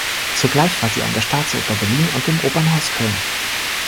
Zugleich war sie an der Staatsoper Berlin und dem Opernhaus Köln.